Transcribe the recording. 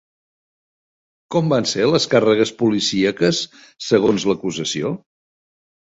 Com van ser les càrregues policíaques segons l'acusació?